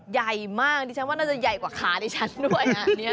ใหญ่มากดิฉันว่าน่าจะใหญ่กว่าขาดิฉันด้วย